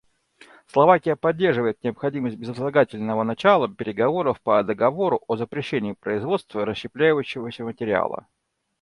Словакия поддерживает необходимость безотлагательного начала переговоров по договору о запрещении производства расщепляющегося материала.